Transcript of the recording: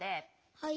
はい。